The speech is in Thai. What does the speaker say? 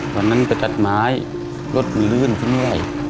วันนั้นไปจัดไม้รถมันเลื่อนขึ้นไหน